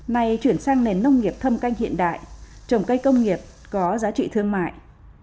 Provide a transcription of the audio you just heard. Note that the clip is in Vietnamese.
nay chuyển sang nền nông nghiệp thâm canh hiện đại trồng cây công nghiệp có giá trị thương mại